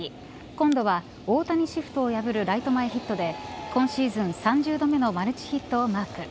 今度は大谷シフトを破るライト前ヒットで今シーズン３０度目のマルチヒットをマーク。